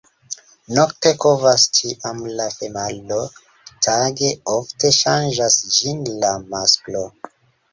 Nokte kovas ĉiam la femalo, tage ofte ŝanĝas ĝin la masklo.